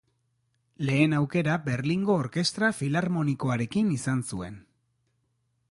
Lehen aukera Berlingo Orkestra Filarmonikoarekin izan zuen.